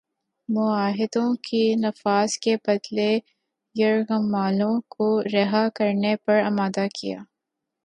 معاہدوں کے نفاذ کے بدلے یرغمالوں کو رہا کرنے پر آمادہ ہے